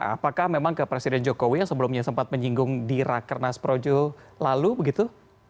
apakah memang ke presiden jokowi yang sebelumnya sempat menyinggung di rakernas projo lalu begitu